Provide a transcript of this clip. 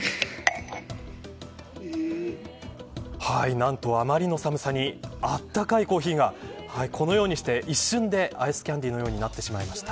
何と、あまりの寒さにあったかいコーヒーがこのように一瞬にしてアイスキャンディーのようになってしまいました。